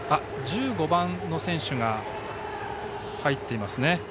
１５番の選手が入っていますね。